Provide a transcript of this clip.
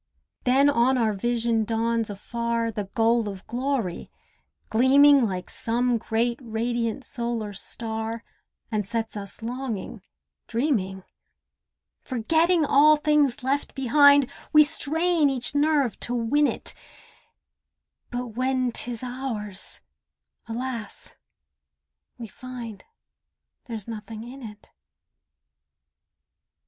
Then on our vision dawns afar The goal of glory, gleaming Like some great radiant solar star, And sets us longing, dreaming. Forgetting all things left behind, We strain each nerve to win it, But when 'tis ours—alas! we find There's nothing in it.